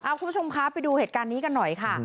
คุณผู้ชมคะไปดูเหตุการณ์นี้กันหน่อยค่ะ